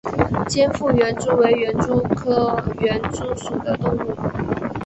尖腹园蛛为园蛛科园蛛属的动物。